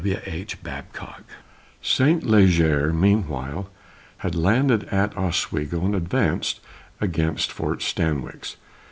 W. H. BABCOCK. Saint Leger, meanwhile, had landed at Oswego and advanced against Fort Stanwix.